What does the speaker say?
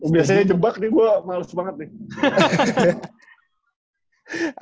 biasanya jebak nih gue males banget nih